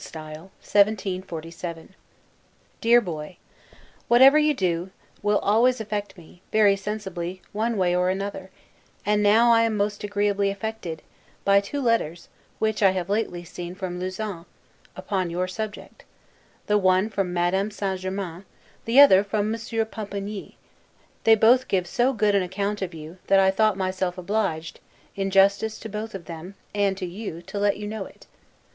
S. 1747 DEAR BOY: Whatever you do, will always affect me, very sensibly, one way or another; and I am now most agreeably affected, by two letters, which I have lately seen from Lausanne, upon your subject; the one from Madame St. Germain, the other from Monsieur Pampigny: they both give so good an account of you, that I thought myself obliged, in justice both to them and, to you, to let you know it.